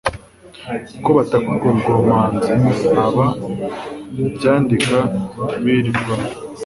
uko bataka ubwo bwomanzi aba byandika birirwamo